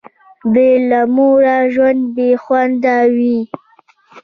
بي له موره ژوند بي خونده وي